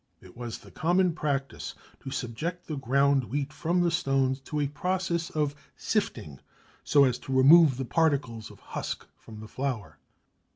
It was the common practice to subject the ground wheat from the stones to a process of sifting so as to remove the particles of husk from the flour.